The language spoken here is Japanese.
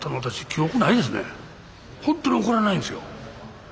ほんとに怒らないんですよ。